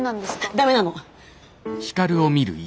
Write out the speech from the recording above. ダメなの！